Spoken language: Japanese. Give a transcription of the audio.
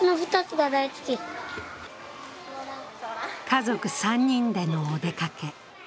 家族３人でのお出かけ。